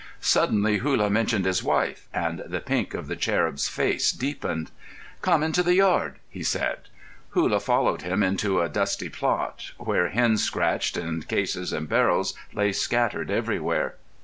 Suddenly Hullah mentioned his wife, and the pink of the cherub's face deepened. "Come into the yard," he said. Hullah followed him into a dusty plot, where hens scratched and cases and barrels lay scattered everywhere.